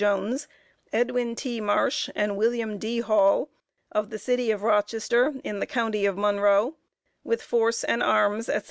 Jones, Edwin T. Marsh and William D. Hall, of the City of Rochester, in the County of Monroe, with force and arms, &c.